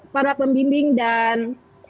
pada jam ini siang